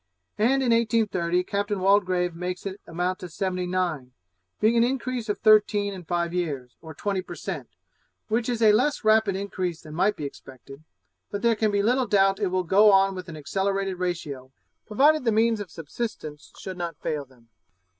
And in 1830, Captain Waldegrave makes it amount to seventy nine; being an increase of thirteen in five years, or twenty per cent, which is a less rapid increase than might be expected; but there can be little doubt it will go on with an accelerated ratio, provided the means of subsistence should not fail them.